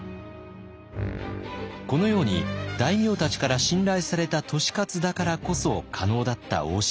このように大名たちから信頼された利勝だからこそ可能だった大仕事。